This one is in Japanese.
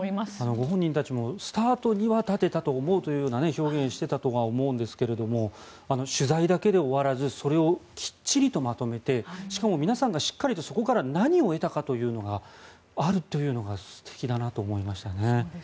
ご本人たちもスタートには立てたと思うというような表現をしていたとは思うんですが取材だけで終わらずそれをきっちりとまとめてしかも皆さんがしっかりとそこから何を得たかというのがあるというのが素敵だなと思いました。